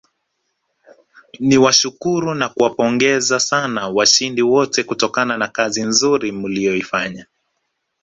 Niwashukuru na kuwapongeza sana washindi wote kutokana na kazi nzuri mliyoifanya